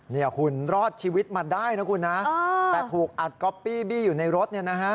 เนี่ยคุณรอดชีวิตมาได้นะคุณนะแต่ถูกอัดก๊อปปี้บี้อยู่ในรถเนี่ยนะฮะ